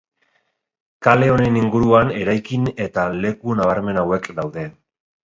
Kale honen inguruan eraikin eta leku nabarmen hauek daude.